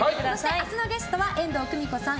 明日のゲストは遠藤久美子さん